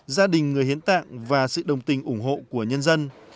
gia đình người hiến tạng và sự đồng tình ủng hộ của nhân dân